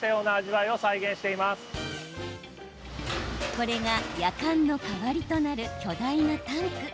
これが、やかんの代わりとなる巨大なタンク。